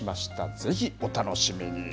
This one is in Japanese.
ぜひお楽しみに。